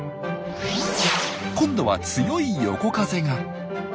今度は強い横風が。